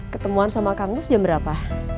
ketemuan sama kang gus jam berapa